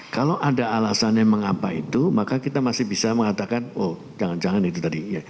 kalau ada alasannya mengapa itu maka kita masih bisa mengatakan oh jangan jangan itu tadi